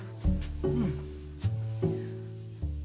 うん。